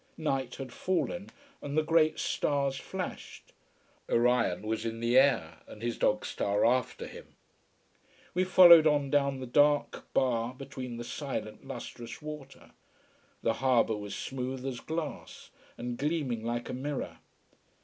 Night had fallen, and the great stars flashed. Orion was in the air, and his dog star after him. We followed on down the dark bar between the silent, lustrous water. The harbour was smooth as glass, and gleaming like a mirror.